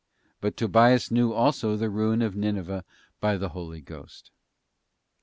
But Tobias knew also the ruin of Ninive by the Holy Ghost.